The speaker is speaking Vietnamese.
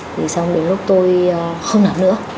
thì xong đến lúc tôi không nạp nữa